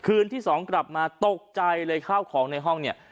ที่สองกลับมาตกใจเลยข้าวของในห้องเนี่ย